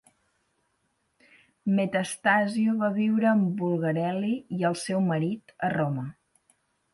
Metastasio va viure amb Bulgarelli i el seu marit a Roma.